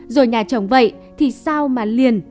rồi nhà chồng vậy thì sao mà liền